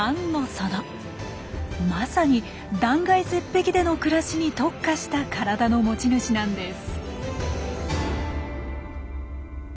まさに断崖絶壁での暮らしに特化した体の持ち主なんです。